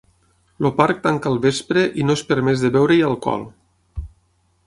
El parc tanca al vespre i no és permès de beure-hi alcohol.